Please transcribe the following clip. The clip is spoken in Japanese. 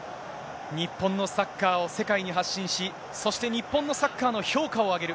日本のサッカーを世界に発信し、そして、日本のサッカーの評価を上げる。